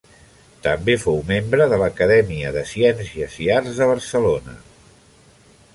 També fou membre de l'Acadèmia de Ciències i Arts de Barcelona.